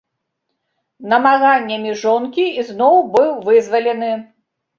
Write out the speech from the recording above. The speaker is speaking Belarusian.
Намаганнямі жонкі ізноў быў вызвалены.